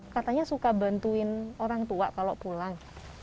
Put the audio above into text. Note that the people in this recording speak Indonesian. katanya suka bantuin orang tua kalau pulang